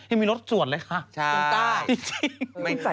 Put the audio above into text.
ยังมีรถส่วนเลยค่ะจริงพี่ตายใช่